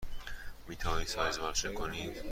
می توانید سایز مرا چک کنید؟